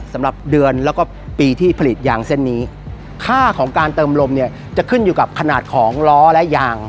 สำหรับเดือนแล้วก็ปีที่ผลิตยางเส้นนี้ค่าของการเติมลมเนี่ยจะขึ้นอยู่กับขนาดของล้อและยาง